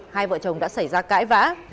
hai vợ chồng đã xảy ra